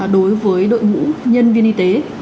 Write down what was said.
đối với đội ngũ nhân viên y tế